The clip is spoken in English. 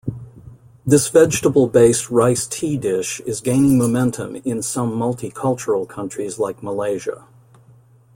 This vegetable-based rice tea dish is gaining momentum in some multicultural countries like Malaysia.